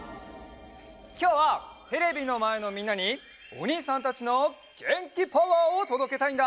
きょうはテレビのまえのみんなにおにいさんたちのげんきパワーをとどけたいんだ！